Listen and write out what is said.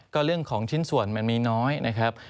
ก็เรื่องของชิ้นส่วนมันมีน้อยนะครับ